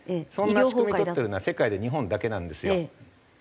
そんな仕組みとってるのは世界で日本だけなんですよ。